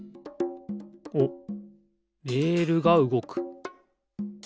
おっレールがうごく。